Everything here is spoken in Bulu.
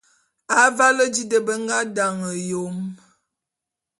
Avale di nde be nga dane Yom.